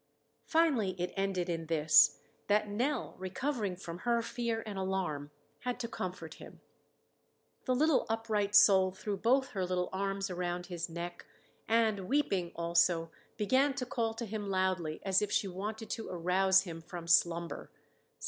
Finally it ended in this, that Nell, recovering from her fear and alarm, had to comfort him. The little upright soul threw both her little arms around his neck and, weeping also, began to call to him loudly, as if she wanted to arouse him from slumber.